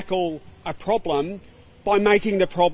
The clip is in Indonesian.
kita tidak bisa menangani masalah